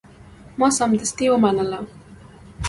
ما سمدستي ومنله.